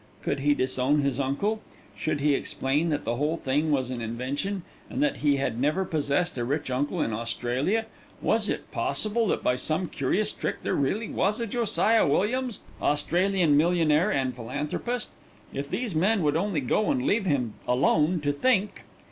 Could he disown this uncle? Should he explain that the whole thing was an invention, and that he had never possessed a rich uncle in Australia? Was it possible that by some curious trick there really was a Josiah Williams, Australian millionaire and philanthropist? If these men would only go and leave him alone to think!